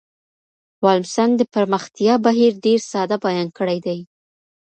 ویلمسن د پرمختیا بهیر ډیر ساده بیان کړی دی.